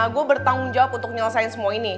gue bertanggung jawab untuk menyelesaikan semua ini